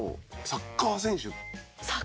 サッカー選手！